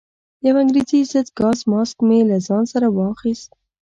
یو انګریزي ضد ګاز ماسک مې له ځان سره واخیست.